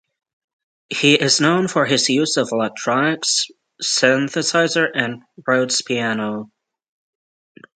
He is known for his use of electronics, synthesizer and Rhodes piano.